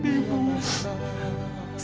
bu bisa menyelesaikan masalah ini bu